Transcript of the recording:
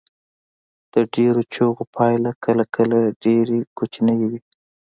د ډیرو چیغو پایله کله کله ډیره کوچنۍ وي.